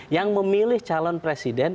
yang memilih calon presiden